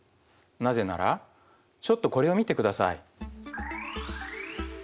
なぜならちょっとこれを見てください。